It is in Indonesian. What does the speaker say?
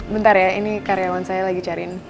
bentar ya ini karyawan saya lagi cariin